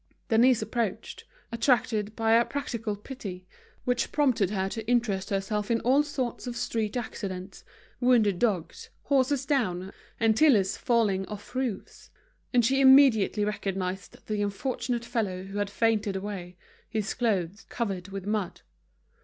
Denise approached, attracted by a practical pity, which prompted her to interest herself in all sorts of street accidents, wounded dogs, horses down, and tillers falling off roofs. And she immediately recognized the unfortunate fellow who had fainted away, his clothes covered with mud.